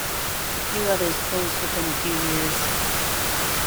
A few others closed within a few years.